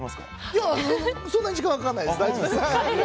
いや、そんなに時間かからないです。